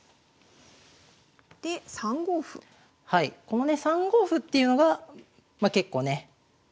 このね３五歩っていうのがまあ結構ね